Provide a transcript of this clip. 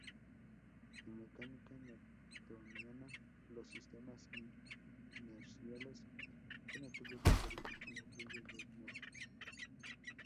En mecánica newtoniana los sistemas inerciales son aquellos que verifican las leyes de Newton.